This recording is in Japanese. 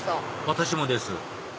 私もです